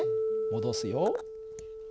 戻すよ。